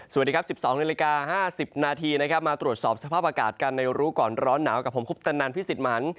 สวัสดีครับ๑๒นาฬิกา๕๐นาทีนะครับมาตรวจสอบสภาพอากาศกันในรู้ก่อนร้อนหนาวกับผมคุปตนันพิสิทธิ์มหัน